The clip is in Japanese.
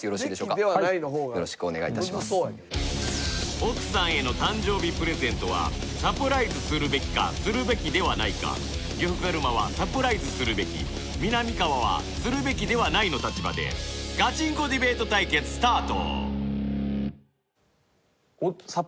奥さんへの誕生日プレゼントはサプライズするべきかするべきではないか呂布カルマはサプライズするべきみなみかわはするべきではないの立場でガチンコディベート対決スタート！